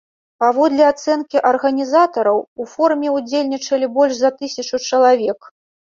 Паводле ацэнкі арганізатараў, у форуме ўдзельнічалі больш за тысячу чалавек.